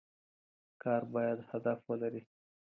کار باید هدف ولري.